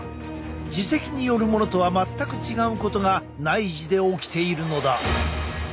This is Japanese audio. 耳石によるものとは全く違うことが内耳で起きているのだ。